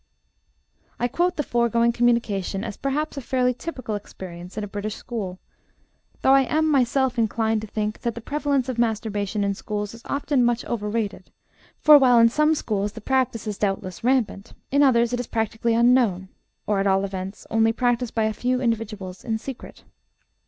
I quote the foregoing communication as perhaps a fairly typical experience in a British school, though I am myself inclined to think that the prevalence of masturbation in schools is often much overrated, for, while in some schools the practice is doubtless rampant, in others it is practically unknown, or, at all events, only practiced by a few individuals in secret.